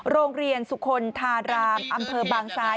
โรงเรียนสุคลธารามอำเภอบางซ้าย